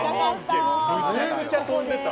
めちゃくちゃ跳んでた！